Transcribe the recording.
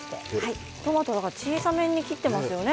トマトは小さめに切っていますよね。